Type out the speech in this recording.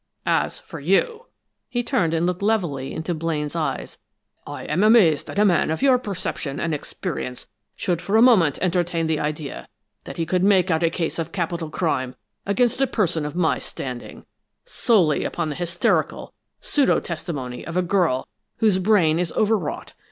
"As for you," he turned and looked levelly into Blaine's eyes, "I am amazed that a man of your perception and experience should for a moment entertain the idea that he could make out a case of capital crime against a person of my standing, solely upon the hysterical pseudo testimony of a girl whose brain is overwrought.